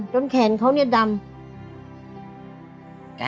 จนแขนเค้าดำ